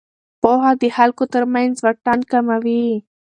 پوهه د خلکو ترمنځ واټن کموي.